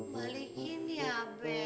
balikin ya be